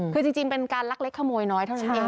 คือจริงเป็นการลักเล็กขโมยน้อยเท่านั้นเอง